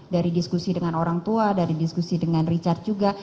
dari diskusi dengan orang tua dari diskusi dengan richard juga